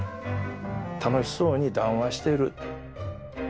楽しそうに談話してる。